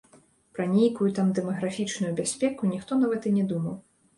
Пра нейкую там дэмаграфічную бяспеку ніхто нават і не думаў.